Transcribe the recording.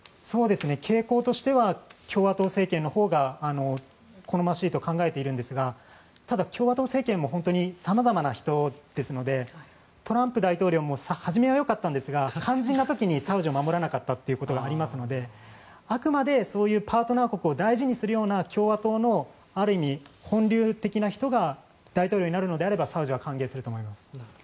傾向としては共和党政権のほうが好ましいと考えているんですがただ、共和党政権も様々な人ですのでトランプ前大統領も初めはよかったんですが肝心な時にサウジを守らなかったというのがありましたのであくまでそういうパートナー国を大事にするような共和党のある意味、本流的な人が大統領になるのであればサウジは歓迎すると思います。